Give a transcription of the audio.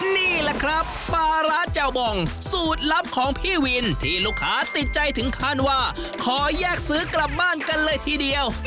นี่แหละครับปลาร้าแจ่วบองสูตรลับของพี่วินที่ลูกค้าติดใจถึงขั้นว่าขอแยกซื้อกลับบ้านกันเลยทีเดียว